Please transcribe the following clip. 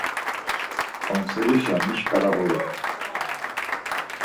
Ǩonserişa mi şkala ulur?